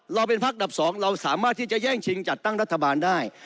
เราเป็นพักดับ๒เราสามารถที่จะแย่งชิงจัดตั้งรัฐบาลได้